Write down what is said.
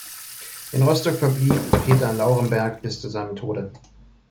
In Rostock verblieb Peter Lauremberg bis zu seinem Tode.